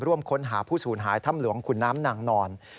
ร่วมค้นหาผู้สูญหายถ้ำหลวงขุนน้ำนางนอน